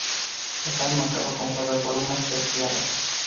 Está enmarcado con cuatro columnas estriadas.